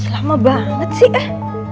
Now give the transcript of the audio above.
lama banget sih